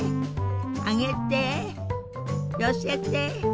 上げて寄せて。